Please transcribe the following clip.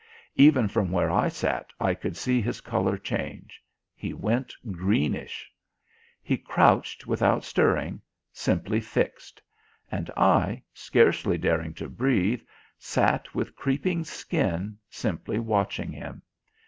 Even from where I sat I could see his colour change; he went greenish. He crouched without stirring, simply fixed. And I, scarcely daring to breathe, sat with creeping skin, simply watching him.